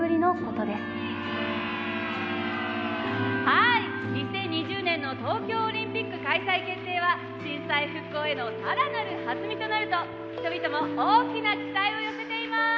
はい２０２０年の東京オリンピック開催決定は震災復興への更なる弾みとなると人々も大きな期待を寄せています。